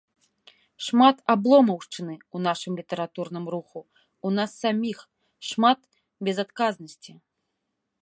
Шмат абломаўшчыны ў нашым літаратурным руху, у нас саміх, шмат безадказнасці.